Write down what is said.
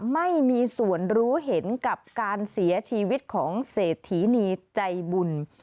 ไม่มีส่วนรู้เห็นกับการเสียชีวิตของเศรษฐีนีใจบุญ